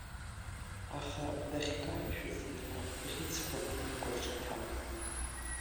Аха дахькаршәыз иара, бӷьыцқәак икәаҿ иҭан…